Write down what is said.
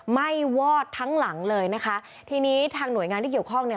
้วอดทั้งหลังเลยนะคะทีนี้ทางหน่วยงานที่เกี่ยวข้องเนี่ย